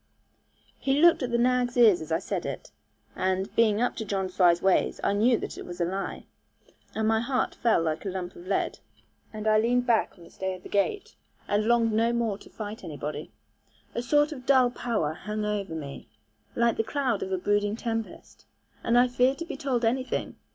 He looked at the nag's ears as he said it; and, being up to John Fry's ways, I knew that it was a lie. And my heart fell like a lump of lead, and I leaned back on the stay of the gate, and longed no more to fight anybody. A sort of dull power hung over me, like the cloud of a brooding tempest, and I feared to be told anything.